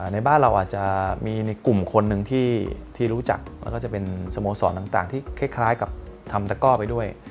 ในบ้านเราอาจจะมีในกลุ่มคนหนึ่งที่รู้จักแล้วก็จะเป็นสโมสรต่างที่คล้ายกับทำตะก้อไปด้วย